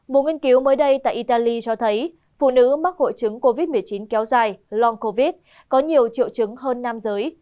một nghiên cứu mới đây tại italy cho thấy phụ nữ mắc hội chứng covid một mươi chín kéo dài lon covid có nhiều triệu chứng hơn nam giới